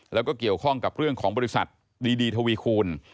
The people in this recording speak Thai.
แล้วก็เกี่ยวข้องกับเรื่องของบริษัทดีทวีคูณ